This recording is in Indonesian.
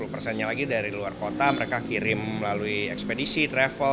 lima puluh persennya lagi dari luar kota mereka kirim melalui ekspedisi travel